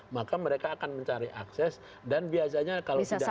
maka mereka akan mencari akses dan biasanya kalau tidak ada